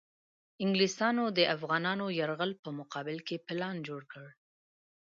انګلیسیانو د افغانانو یرغل په مقابل کې پلان جوړ کړ.